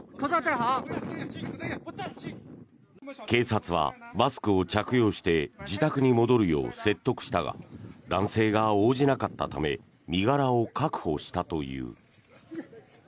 警察はマスクを着用して自宅に戻るよう説得したが男性が応じなかったため身柄を確保したという。